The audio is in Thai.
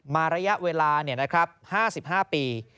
ระยะเวลา๕๕ปี